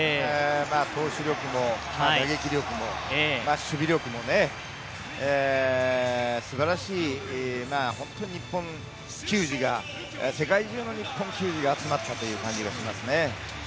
投手力も、打撃力も、守備力もすばらしい、本当に日本球児が世界中の日本球児が集まったという感じがしますね。